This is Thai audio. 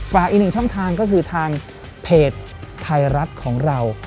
อีกหนึ่งช่องทางก็คือทางเพจไทยรัฐของเรา